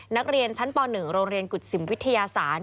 นักเรียนชั้นป๑โรงเรียนกุศิมวิทยาศาสตร์